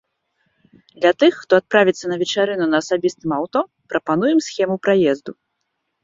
Для тых, хто адправіцца на вечарыну на асабістым аўто, прапануем схему праезду.